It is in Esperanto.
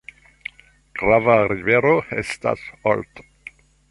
Grava rivero estas Olt.